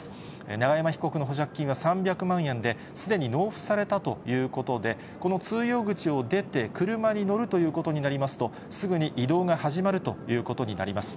永山被告の保釈金は３００万円で、すでに納付されたということで、この通用口を出て、車に乗るということになりますと、すぐに移動が始まるということになります。